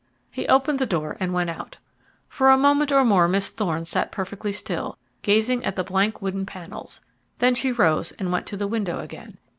He opened the door and went out. For a minute or more Miss Thorne sat perfectly still, gazing at the blank wooden panels, then she rose and went to the window again.